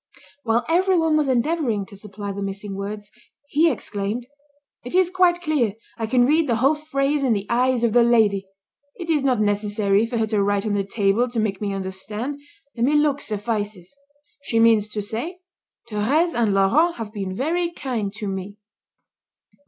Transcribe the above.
While every one was endeavouring to supply the missing words, he exclaimed: "It is quite clear. I can read the whole phrase in the eyes of the lady. It is not necessary for her to write on the table to make me understand; a mere look suffices. She means to say: "Thérèse and Laurent have been very kind to me."